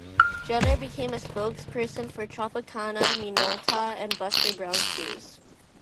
Jenner became a spokesperson for Tropicana, Minolta, and Buster Brown shoes.